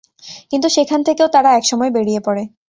কিন্তু সেখান থেকেও তারা এক সময় বেরিয়ে পড়ে।